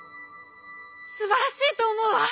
「すばらしいと思うわ！」。